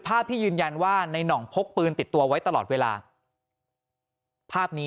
ภาพที่ยืนยันว่าในน่องพกปืนติดตัวไว้ตลอดเวลาภาพนี้